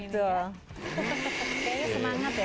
kayaknya semangat ya